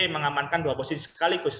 mengamankan dua posisi sekaligus